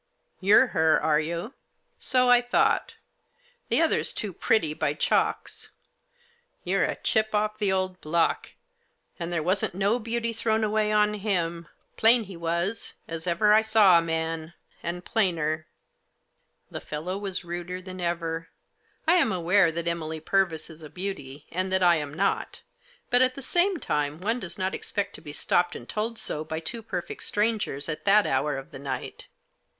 " You're her, are you ? So I thought. The other's too pretty, by chalks. You're a chip of the old block, Digitized by LOCKED OUT. 15 and there wasn't no beauty thrown away on him ; plain he was, as ever I saw a man ; and plainer." The fellow was ruder than ever. I am aware that Emily Purvis is a beauty, and that I am not, but at the same time one does not expect to be stopped and told so by two perfect strangers, at that hour of the night.